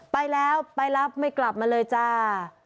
ไปแล้วไปรับไม่กลับมาเลยจ้า